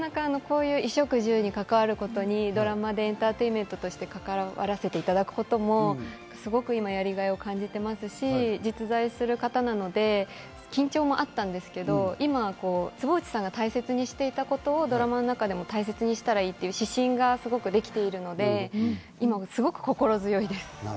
衣食住に関わることにドラマでエンターテインメントとしてかかわらせていただくこともすごく今やりがいを感じてますし、実在する方なので緊張もあったんですけど、今、坪内さんが大切にしていたことをドラマの中で大切にしたらいいという指針ができているので、今すごく心強いです。